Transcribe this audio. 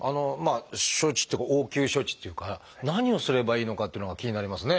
処置っていうか応急処置っていうか何をすればいいのかっていうのが気になりますね。